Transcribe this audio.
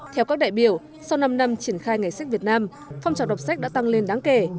theo các đại biểu sau năm năm triển khai ngày sách việt nam phong trào đọc sách đã tăng lên đáng kể